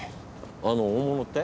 あの大物って？